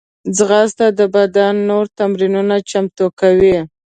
ځغاسته د بدن نور تمرینونه چمتو کوي